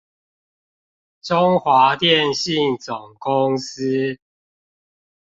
中華電信總公司